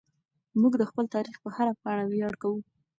موږ د خپل تاریخ په هره پاڼه ویاړ کوو.